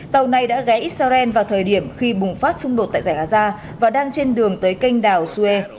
tàu này đã ghé israel vào thời điểm khi bùng phát xung đột tại gaza và đang trên đường tới kênh đảo suez